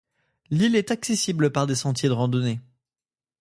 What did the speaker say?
L'île est accessible par des sentiers de randonnée.